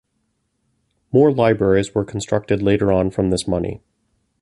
More libraries were constructed later on from this money.